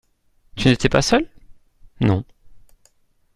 Tu n'étais pas seul ? Non.